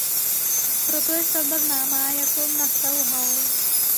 Proto je stavba známá jako Nassau Hall.